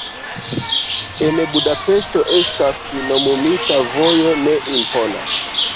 En Budapeŝto estas nomumita vojo, ne impona.